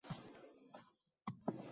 Sudanda favqulodda holat e’lon qilindi